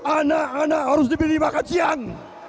anak anak harus diberi makan siang